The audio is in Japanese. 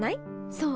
そう！